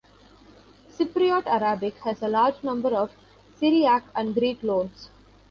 Cypriot Arabic has a large number of Syriac and Greek loans.